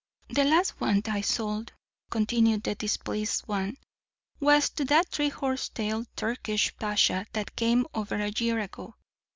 "The last one I sold," continued the displeased one, "was to that three horse tailed Turkish pasha that came over a year ago.